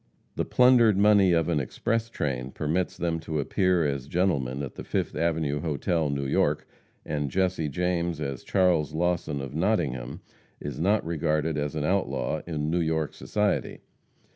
The plundered money of an express train permits them to appear as gentlemen at the Fifth Avenue hotel, New York, and Jesse James as Charles Lawson, of Nottingham, is not regarded as an outlaw in New York society.